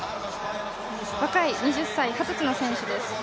若い、二十歳の選手です。